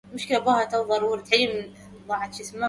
لم يرى توم ولا ماريا أن النار اندلعت في المنزل المقابل لهم.